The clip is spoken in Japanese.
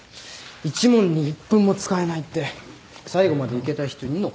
１問に１分も使えないって最後までいけた人いんのかな。